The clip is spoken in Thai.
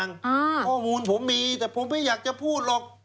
ข้อมูลผมมีแต่ผมไม่อยากจะพูดหรอก